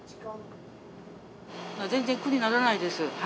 全然苦にならないです。